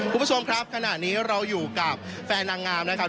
คุณผู้ชมครับขณะนี้เราอยู่กับแฟนนางงามนะครับ